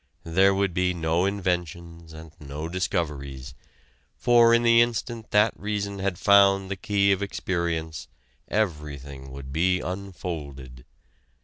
There would be no inventions and no discoveries, for in the instant that reason had found the key of experience everything would be unfolded.